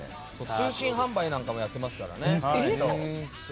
通信販売なんかもやってますからね。